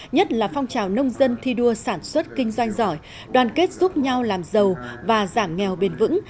nhất là phong trào nông dân thi đua sản xuất kinh doanh giỏi đoàn kết giúp nhau làm giàu và giảm nghèo bền vững